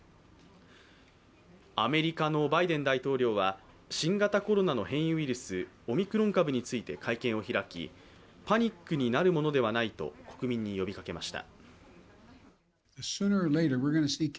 アメリカのバイデン大統領は新型コロナの変異ウイルス、オミクロン株について会見を開きパニックになるものではないと国民に呼びかけました。